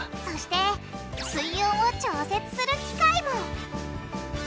そして水温を調節する機械も。